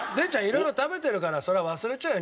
色々食べてるからそれは忘れちゃうよ